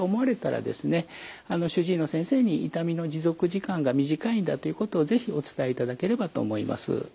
主治医の先生に痛みの持続時間が短いんだということを是非お伝えいただければと思います。